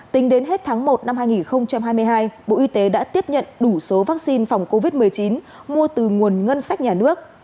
tính đến hết tháng một năm hai nghìn hai mươi hai bộ y tế đã tiếp nhận đủ số vaccine phòng covid một mươi chín mua từ nguồn ngân sách nhà nước